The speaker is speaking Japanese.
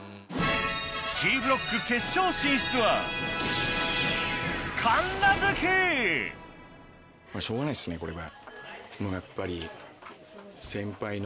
Ｃブロック決勝進出はしょうがないですねこれは。